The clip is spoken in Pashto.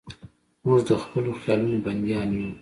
موږ د خپلو خیالونو بندیان یو.